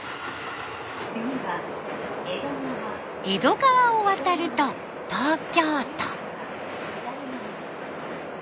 江戸川を渡ると東京都。